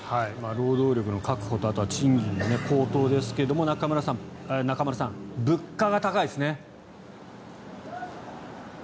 労働力の確保とあとは賃金、高騰ですが中丸さん、物価が高いですね。